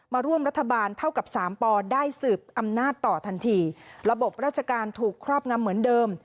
มาร่วมรัฐบาลเท่ากับสามปได้สืบอำนาจต่อทันทีระบบราชการถูกครอบงำเหมือนเดิม